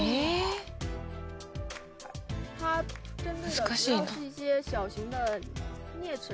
難しいな。